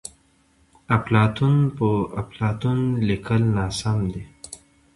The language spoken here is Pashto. افلاطون په اپلاتون لیکل ناسم ندي.